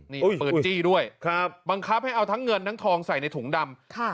นี่ปืนจี้ด้วยครับบังคับให้เอาทั้งเงินทั้งทองใส่ในถุงดำ